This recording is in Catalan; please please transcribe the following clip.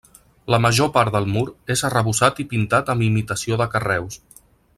La major part del mur és arrebossat i pintat amb imitació de carreus.